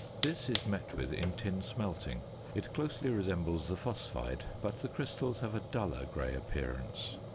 ~ This is met with in tin smelting; it closely resembles the phosphide, but the crystals have a duller grey appearance.